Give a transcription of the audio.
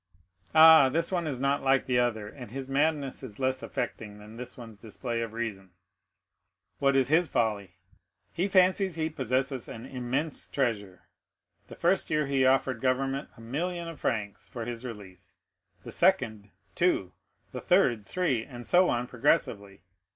"Ah, this one is not like the other, and his madness is less affecting than this one's display of reason." "What is his folly?" "He fancies he possesses an immense treasure. The first year he offered government a million of francs for his release; the second, two; the third, three; and so on progressively.